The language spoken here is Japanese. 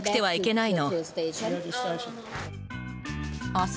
明日